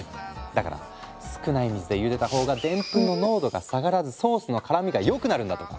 だから少ない水でゆでた方がでんぷんの濃度が下がらずソースの絡みが良くなるんだとか！